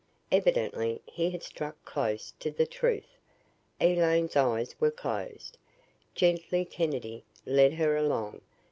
Evidently he had struck close to the truth. Elaine's eyes were closed. Gently Kennedy led her along.